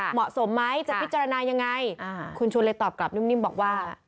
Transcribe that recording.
เหมาะสมไหมจะพิจารณายังไงคุณชวนเลยตอบกลับนิ่มบอกว่า